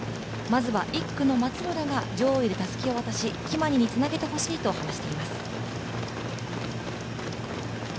まずは１区の松村が上位でたすきを渡しキマニにつなげてほしいと話します。